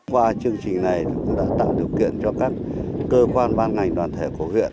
và chương trình này đã tạo điều kiện cho các cơ quan ban ngành đoàn thể của huyện